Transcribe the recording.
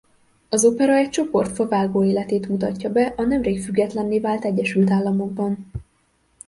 Az opera egy csoport favágó életét mutatja be a nemrég függetlenné vált Egyesült Államokban.